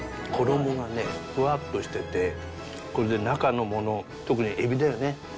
衣がねフワッとしててこれで中のもの特にエビだよね。